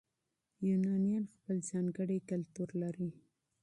یونانیان خپل ځانګړی کلتور لري.